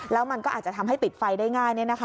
แล้วมันก็อาจจะทำให้ติดไฟได้ง่าย